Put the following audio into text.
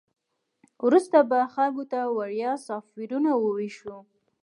وروسته به خلکو ته وړیا سافټویرونه وویشو